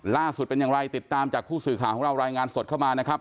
ล่าสุดเป็นอย่างไรติดตามจากผู้สื่อข่าวของเรารายงานสดเข้ามานะครับ